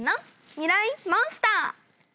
ミライ☆モンスター。